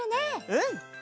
うん！